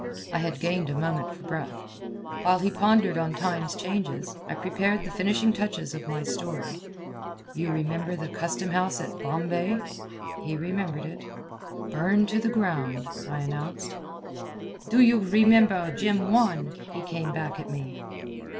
I had gained a moment for breath. While he pondered on time's changes, I prepared the finishing touches of my story. "You remember the custom house at Bombay?" He remembered it. "Burned to the ground," I announced. "Do you remember Jim Wan?" he came back at me.